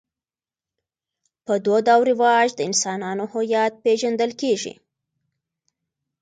په دود او رواج د انسانانو هویت پېژندل کېږي.